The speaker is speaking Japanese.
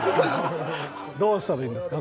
どうしたらいいですか？